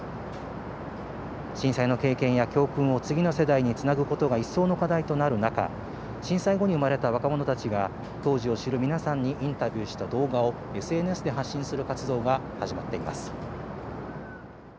震災の経験や教訓を次の世代につなぐことが一層の課題となる中、震災後に生まれた若者たちが当時を知る皆さんにインタビューした動画をＳＮＳで発信する活動が始まっています。